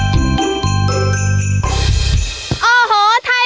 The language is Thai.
สะพานหินเกิดถึงจากธรรมชาติ